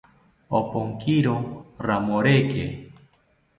Ompokiro ramoreke